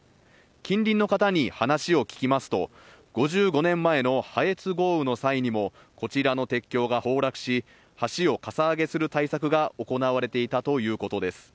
近隣の方に話を聞きますと５５年前の羽越豪雨の際もこちらの鉄橋が崩落し、橋をかさ上げする対策が行われていたということです。